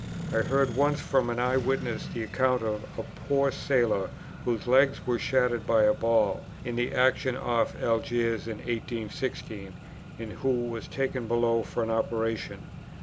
I heard once from an eye witness the account of a poor sailor whose legs were shattered by a ball, in the action off Algiers in 1816, and who was taken below for an operation.